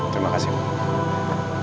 terima kasih mbak